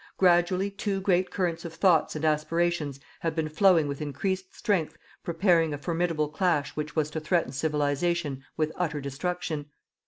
Gradually two great currents of thoughts and aspirations have been flowing with increased strength preparing a formidable clash which was to threaten Civilization with utter destruction.